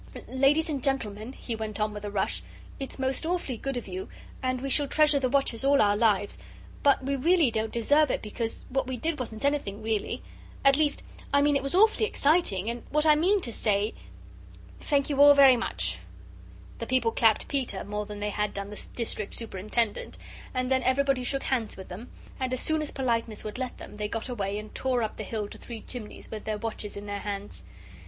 "Ladies and Gentlemen," he went on with a rush, "it's most awfully good of you, and we shall treasure the watches all our lives but really we don't deserve it because what we did wasn't anything, really. At least, I mean it was awfully exciting, and what I mean to say thank you all very, very much." The people clapped Peter more than they had done the District Superintendent, and then everybody shook hands with them, and as soon as politeness would let them, they got away, and tore up the hill to Three Chimneys with their watches in their hands.